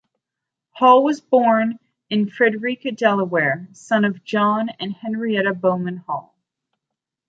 Hall was born in Frederica, Delaware, son of John and Henrietta Bowman Hall.